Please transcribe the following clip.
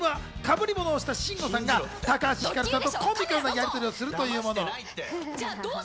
ＣＭは被り物をした慎吾さんが高橋ひかるさんとコミカルなやりとりをするというもの。